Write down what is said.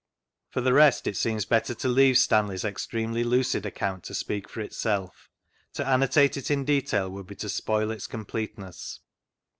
For the rest, it seems better to leave Stanley's extremely lucid account to speak for itself. To annotate it in detail would be to spoil its complete ness.